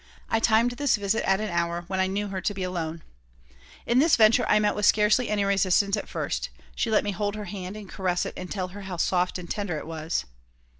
I timed this visit at an hour when I knew her to be alone In this venture I met with scarcely any resistance at first. She let me hold her hand and caress it and tell her how soft and tender it was.